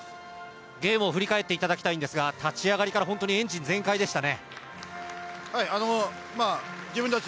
◆ゲームを振り返っていただきたいんですが、立ち上がりから本当にエンジン全開でしたね。